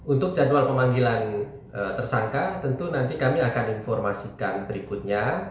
untuk jadwal pemanggilan tersangka tentu nanti kami akan informasikan berikutnya